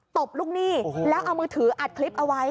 ตบลูกหนี้แล้วเอามือถืออัดคลิปเอาไว้